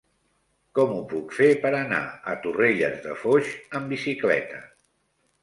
Com ho puc fer per anar a Torrelles de Foix amb bicicleta?